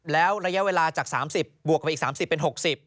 แล้วระยะเวลาจาก๓๐บวกมาอีก๓๐เป็น๖๐